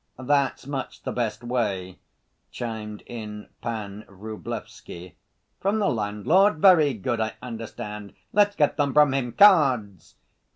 "That's much the best way," chimed in Pan Vrublevsky. "From the landlord? Very good, I understand, let's get them from him. Cards!"